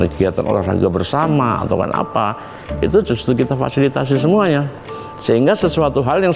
kegiatan olahraga bersama atau kan apa itu justru kita fasilitasi semuanya sehingga sesuatu hal yang